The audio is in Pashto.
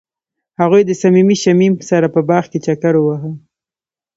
هغوی د صمیمي شمیم سره په باغ کې چکر وواهه.